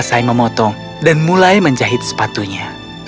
dia selesai memotong dan mulai menjahit sepatunya